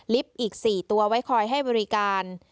อีก๔ตัวไว้คอยให้บริการ